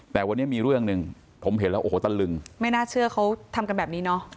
แต่วันนี้มีเรื่องหนึ่งผมเห็นแล้วโอ้โหตะลึงไม่น่าเชื่อเขาทำกันแบบนี้เนอะ